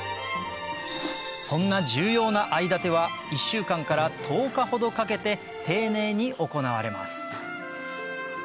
そんな重要な藍建ては１週間から１０日ほどかけて丁寧に行われます